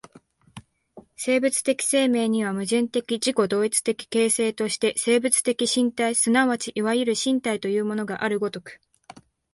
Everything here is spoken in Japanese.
生物的生命には、矛盾的自己同一的形成として生物的身体即ちいわゆる身体というものがある如く、